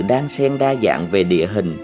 đang sen đa dạng về địa hình